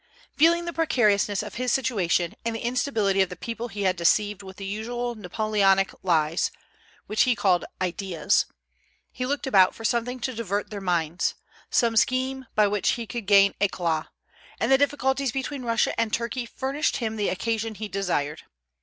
Feeling the precariousness of his situation, and the instability of the people he had deceived with the usual Napoleonic lies, which he called "ideas," he looked about for something to divert their minds, some scheme by which he could gain éclat; and the difficulties between Russia and Turkey furnished him the occasion he desired.